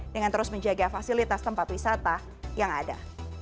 dengan terus menjaga fasilitas tempat wisata yang ada